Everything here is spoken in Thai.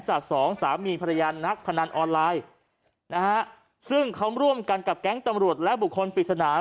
สองสามีภรรยานักพนันออนไลน์นะฮะซึ่งเขาร่วมกันกับแก๊งตำรวจและบุคคลปริศนา